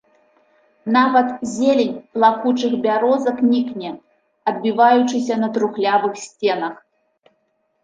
Нават зелень плакучых бярозак нікне, адбіваючыся на трухлявых сценах.